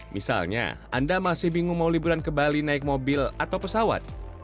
misalnya anda masih bingung mau liburan ke bali naik mobil atau pesawat